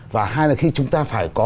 và hai là khi chúng ta phải có